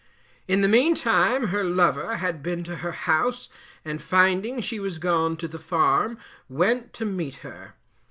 In the meantime her lover had been to her house, and finding she was gone to the farm, went to meet her.